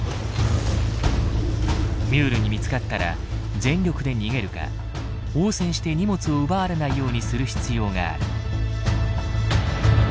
ミュールに見つかったら全力で逃げるか応戦して荷物を奪われないようにする必要がある。